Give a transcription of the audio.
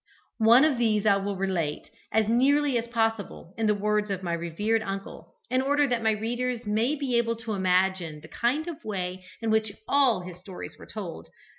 One of these I will relate, as nearly as possible in the words of my revered uncle, in order that my readers may be able to imagine the kind of way in which all his stories were told.